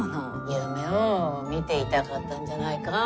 夢をみていたかったんじゃないか。